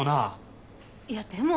いやでも。